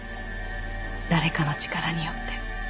誰かの力によって。